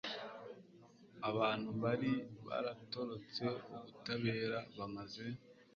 abantu bari baratorotse ubutabera bamaze